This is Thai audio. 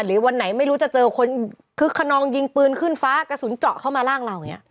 หรือวันไหนไม่รู้จะเจอคนคือคะนองยิงปืนขึ้นฟ้ากระสุนจ๋อเข้ามาร่างเราเนี่ย